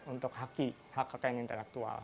untuk haki hak kekayaan intelektual